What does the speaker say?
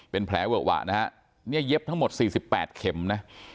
เป็นแผลเวอะหวะนะฮะเนี่ยเย็บทั้งหมด๔๘เข็มนะ